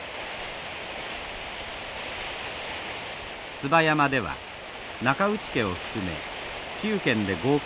椿山では中内家を含め９軒で合計